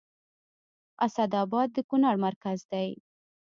اسداباد د کونړ مرکز دی